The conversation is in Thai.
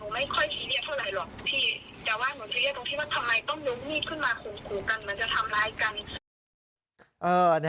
มันจะทำร้ายกัน